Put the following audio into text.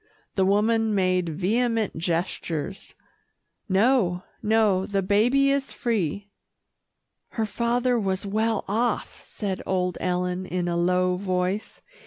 The woman made vehement gestures, "No, no, the baby is free." "Her father was well off," said old Ellen in a low voice.